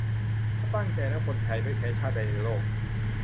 ถ้าตั้งใจแล้ว คนไทย ไม่แพ้ชาติใดในโลก !